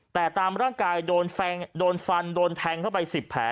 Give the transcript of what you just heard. แต่ตามร่างกายโดนฟันโดนแทงเข้าไป๑๐แผล